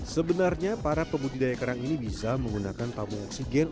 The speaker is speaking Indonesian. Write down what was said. sebenarnya para pemudidaya kerang ini bisa menggunakan tamu oksigen